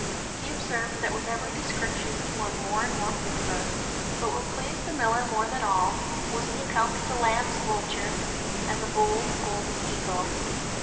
He observed that with every description he won more and more favour; but what pleased the miller more than all, was the account of the lamb's vulture and the bold golden eagle.